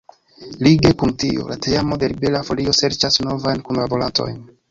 Lige kun tio, la teamo de Libera Folio serĉas novajn kunlaborantojn.